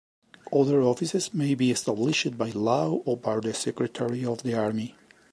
Other offices may be established by law or by the Secretary of the Army.